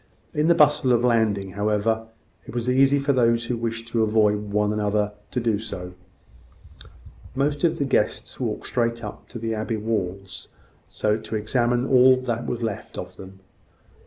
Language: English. In the bustle of landing, however, it was easy for those who wished to avoid one another to do so. Most of the guests walked straight up to the abbey walls, to examine all that was left of them.